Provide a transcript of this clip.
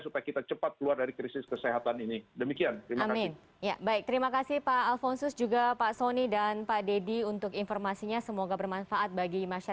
supaya kita cepat keluar dari krisis